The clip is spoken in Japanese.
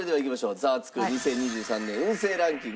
『ザワつく！』２０２３年運勢ランキング